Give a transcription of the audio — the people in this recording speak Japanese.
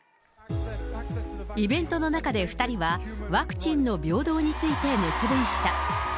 イベントの中で２人は、ワクチンの平等について熱弁した。